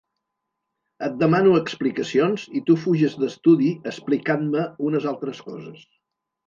Et demano explicacions i tu fuges d'estudi explicant-me unes altres coses.